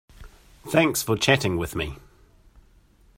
Thanks for chatting with me.